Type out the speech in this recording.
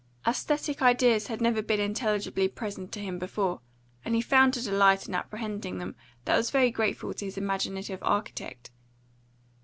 AEsthetic ideas had never been intelligibly presented to him before, and he found a delight in apprehending them that was very grateful to his imaginative architect.